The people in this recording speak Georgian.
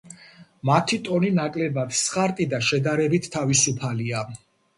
მათი ტონი ნაკლებად სხარტი და შედარებით თავისუფალია.